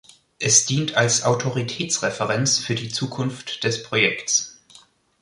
Es dient als Autoritätsreferenz für die Zukunft des Projekts.